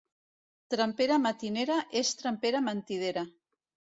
Trempera matinera és trempera mentidera.